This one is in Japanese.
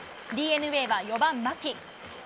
ＤｅＮＡは４番牧。